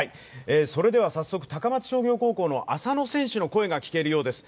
それでは早速、高松商業高校の浅野選手の声が聞けるようです。